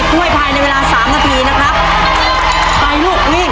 ทั้งหมดยี่สิบก้วยภายในเวลาสามนาทีนะครับไปลูกวิ่ง